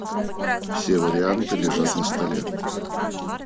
Все варианты лежат на столе.